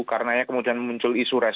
karena kemudian muncul isu residen